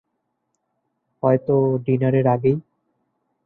হয়তো ডিনারের আগেই।